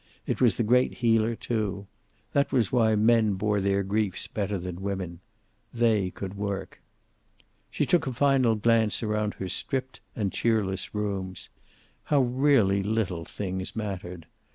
It was the great healer, too. That was why men bore their griefs better than women. They could work. She took a final glance around her stripped and cheerless rooms. How really little things mattered!